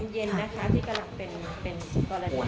เป็นเย็นนะคะที่กำลังเป็น